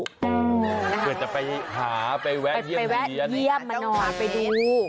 เผื่อจะไปหาไปแวะเยี่ยมมานอนไปดู